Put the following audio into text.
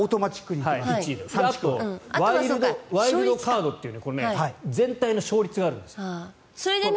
ワイルドカードという全体の勝率があるんです。